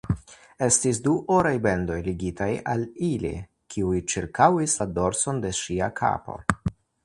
Estis du oraj bendoj ligitaj al ili, kiuj ĉirkaŭis la dorson de ŝia kapo.